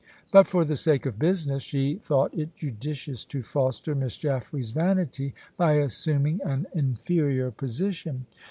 But, for the sake of business, she thought it judicious to foster Miss Jaffray's vanity by assuming an inferior position.